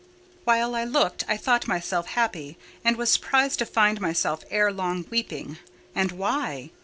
While I looked, I thought myself happy, and was surprised to find myself ere long weeping—and why?